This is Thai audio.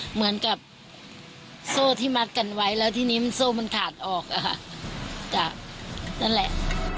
เหมือนกับโซ่ที่มัดกันไว้แล้วทีนี้มันโซ่มันขาดออกอะค่ะจากนั่นแหละ